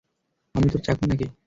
আমি তোর চাকর না-কি?